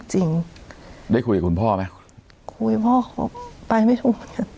ถูกจะได้คุยกับคุณพ่อไหมคุยพ่อก็ไปไม่รู้